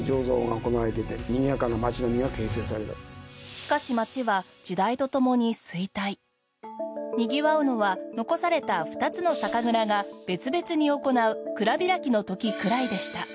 しかし町はにぎわうのは残された２つの酒蔵が別々に行う蔵開きの時くらいでした。